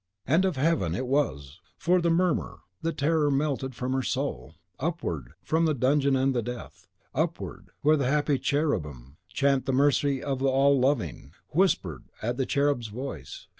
And of heaven it was! for, at the murmur, the terror melted from her soul; upward, from the dungeon and the death, upward, where the happy cherubim chant the mercy of the All loving, whispered that cherub's voice.